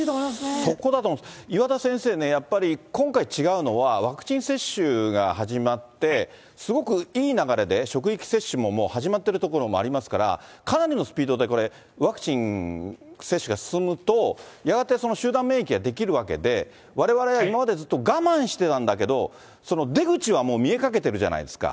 そこだと思うんです、岩田先生ね、やっぱり今回違うのは、ワクチン接種が始まって、すごくいい流れで、職域接種ももう始まってる所もありますから、かなりのスピードでこれ、ワクチン接種が進むと、やがて集団免疫が出来るわけで、われわれは今までずっと我慢してたんだけど、出口はもう見えかけてるじゃないですか。